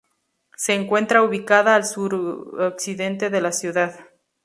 Se encuentra ubicada al suroccidente de la ciudad.